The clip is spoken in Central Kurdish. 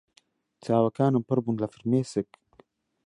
چاوەکانم پڕ بوون لە فرمێسک.